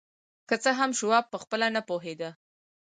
که څه هم شواب پخپله نه پوهېده